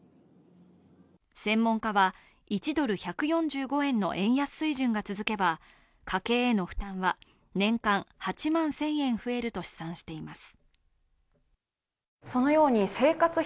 専門家は、１ドル＝１４５円の円安水準が続けば家計への負担は年間８万１０００円増えると試算しています。